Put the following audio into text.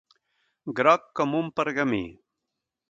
Groc com un pergamí.